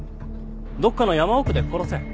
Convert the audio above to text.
どこかの山奥で殺せ。